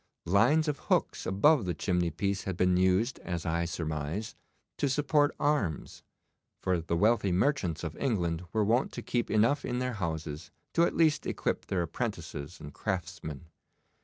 Lines of hooks above the chimneypiece had been used, as I surmise, to support arms, for the wealthy merchants of England were wont to keep enough in their houses to at least equip their apprentices and craftsmen.